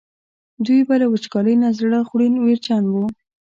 دوی به له وچکالۍ نه زړه خوړ ویرجن وو.